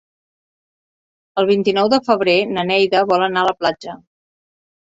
El vint-i-nou de febrer na Neida vol anar a la platja.